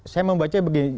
saya membaca begini